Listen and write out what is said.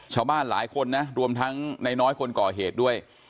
ชาวบ้านหลายคนนะรวมทั้งนายน้อยคนก่อเหตุด้วย